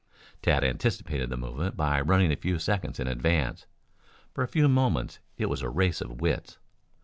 Tad anticipated the movement by running a few seconds in advance. For a few moments it was a race of wits.